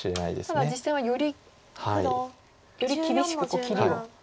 ただ実戦はよりより厳しく切りを見たような。